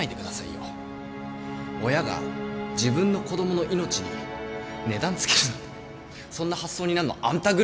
親が自分の子供の命に値段つけるなんてそんな発想になんのあんたぐらいっすよ。